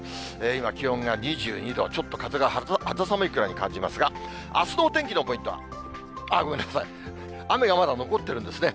今、気温が２２度、ちょっと風が肌寒いくらいに感じますが、あすのお天気のポイントは、ごめんなさい、雨がまだ残ってるんですね。